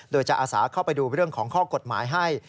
โดยจะอาสาเข้าไปดูเรื่องของข้อกฎหมายให้